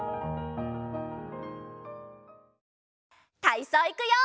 たいそういくよ！